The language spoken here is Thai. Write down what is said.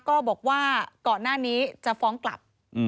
ก็บอกว่าก่อนหน้านี้จะฟ้องกลับ